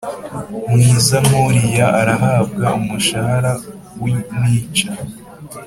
mwiza nkuriya arahabwa umushahara wintica